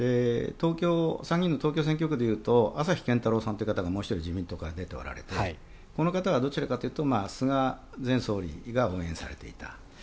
参議院の東京選挙区で言うと朝日健太郎さんという方がもう１人自民党から出ておられてこの方はどちらかというと菅前総理が応援されていた。